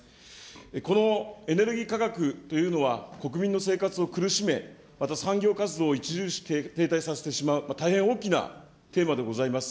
このエネルギー価格というのは、国民の生活を苦しめ、また産業活動を著しく停滞させてしまう、大変大きなテーマでございます。